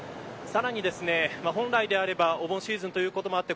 さらに本来であればお盆シーズンということもあって